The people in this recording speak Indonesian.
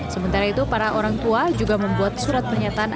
sementara itu para orang tua juga membuat surat pernyataan